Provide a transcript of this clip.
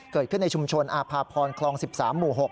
เกิดขึ้นในชุมชนอภาพรคลอง๑๓หมู่๖